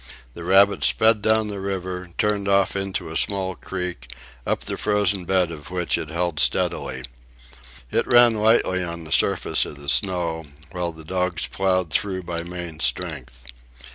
The rabbit sped down the river, turned off into a small creek, up the frozen bed of which it held steadily. It ran lightly on the surface of the snow, while the dogs ploughed through by main strength.